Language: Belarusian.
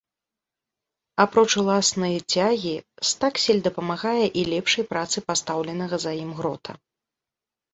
Апроч уласнай цягі, стаксель дапамагае і лепшай працы пастаўленага за ім грота.